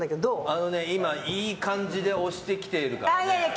あのね、今いい感じで押してきてるから。